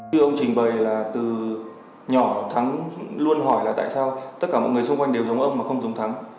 thưa ông trình bày là từ nhỏ thắng luôn hỏi là tại sao tất cả mọi người xung quanh đều giống ông mà không giống thắng